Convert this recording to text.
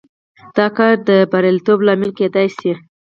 دا کار د بریالیتوب لامل کېدای شي.